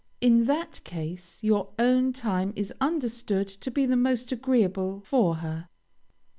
In that case, your own time is understood to be the most agreeable for her.